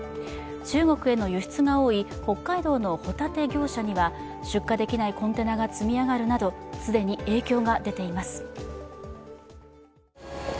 中国への輸出が多い北海道のホタテ業者には出荷できないコンテナが積み上がるなど既に影響が出ています。